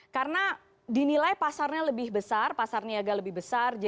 karena dinilai pasarnya lebih besar pasar niaga lebih besar